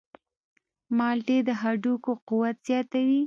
مالټې د هډوکو قوت زیاتوي.